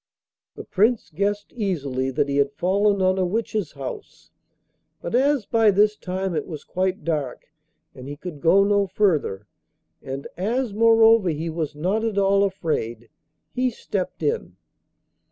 The Prince guessed easily that he had fallen on a witch's house, but as by this time it was quite dark and he could go no further, and as moreover he was not at all afraid, he stepped in.